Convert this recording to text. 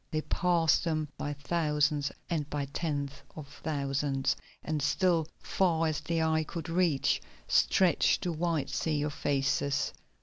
They passed them by thousands and by tens of thousands, and still, far as the eye could reach, stretched the white sea of faces.